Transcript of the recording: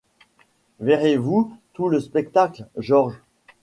Verrez-vous tout le spectacle, George ?